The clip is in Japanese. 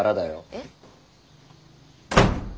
えっ？